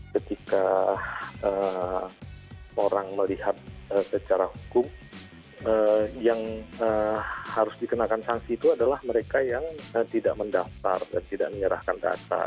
ketika orang melihat secara hukum yang harus dikenakan sanksi itu adalah mereka yang tidak mendaftar dan tidak menyerahkan data